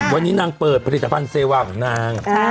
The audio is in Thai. วันนี้นางเปิดผลิตภัณฑ์เซวาของนาง